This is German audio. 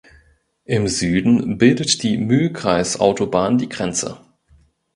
Im Süden bildet die Mühlkreis Autobahn die Grenze.